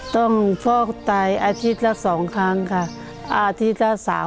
ต้องพ่อตายอาทิตย์ละ๒ครั้งค่ะอาทิตย์ละ๓๖๐๐